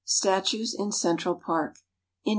STATUES IN CENTRAL PARK IN 1889.